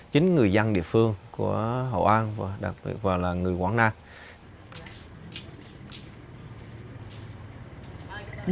chính người dân địa phương của hậu an và đặc biệt là người quảng nam